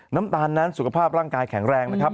น้ำตาลนั้นสุขภาพร่างกายแข็งแรงนะครับ